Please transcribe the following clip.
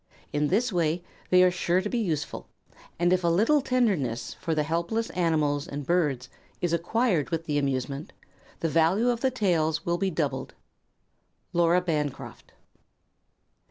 In this way they are sure to be useful, and if a little tenderness for the helpless animals and birds is acquired with the amusement, the value of the tales will be doubled. LAURA BANCROFT.